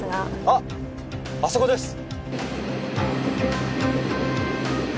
あっあそこです！